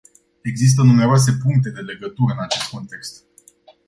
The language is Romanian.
Există numeroase puncte de legătură în acest context.